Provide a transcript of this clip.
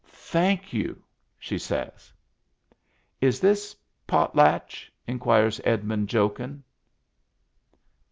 "Thank you," she says. " Is ^\^potlatc%?^' inquires Edmund, jokin'.